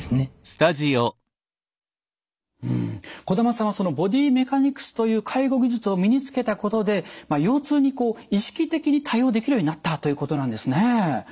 児玉さんはボディメカニクスという介護技術を身につけたことで腰痛に意識的に対応できるようになったということなんですね。